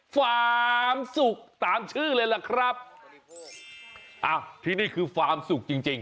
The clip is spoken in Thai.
ฟาร์มสุขตามชื่อเลยล่ะครับอ้าวที่นี่คือฟาร์มสุขจริงจริง